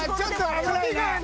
危ない。